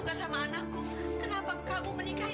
demi allah aku menyesal